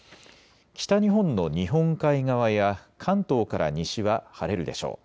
北日本の日本海側や関東から西は晴れるでしょう。